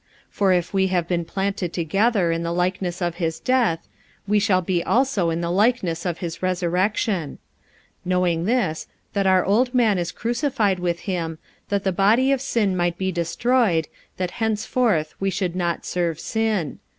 45:006:005 For if we have been planted together in the likeness of his death, we shall be also in the likeness of his resurrection: 45:006:006 Knowing this, that our old man is crucified with him, that the body of sin might be destroyed, that henceforth we should not serve sin.